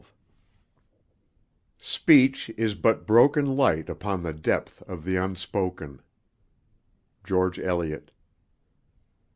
XII Speech is but broken light upon the depth Of the unspoken. GEORGE ELIOT.